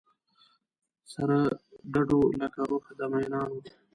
سره ګډو لکه روح د مینانو